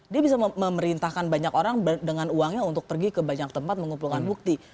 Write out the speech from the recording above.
dia bisa memerintahkan banyak orang dengan uangnya untuk pergi ke banyak tempat mengumpulkan bukti